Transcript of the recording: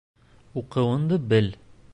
Уҡыуыңды бел...